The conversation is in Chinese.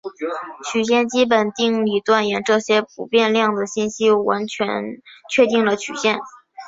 曲线基本定理断言这些不变量的信息完全确定了曲线。